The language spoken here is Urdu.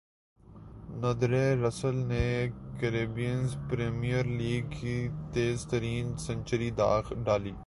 ندرے رسل نے کیربینئز پریمیر لیگ کی تیز ترین سنچری داغ ڈالی